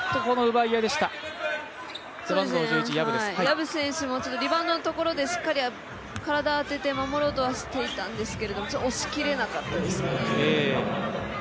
薮選手もリバウンドのところでしっかり体を当てて守ろうとはしていたんですけれども、押し切れなかったですかね。